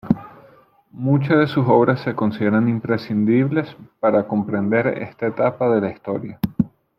Muchas de sus obras se consideran imprescindibles para comprender esta etapa de la historia.